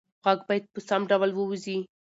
غږ باید په سم ډول ووځي.